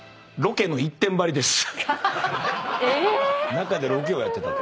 ⁉中でロケをやってたと？